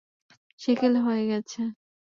সেকেলে হয়ে গেছে।